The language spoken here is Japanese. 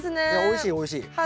いやおいしいおいしい。